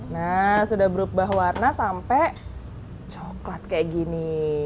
nah sudah berubah warna sampai coklat kayak gini